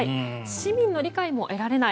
市民の理解も得られない。